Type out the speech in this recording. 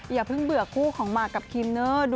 อย่าเพิ่งเบื่อคู่ของหมากกับครีมเนอร์